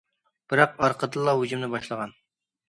بىراق، ئارقىدىنلا ھۇجۇمنى باشلىغان.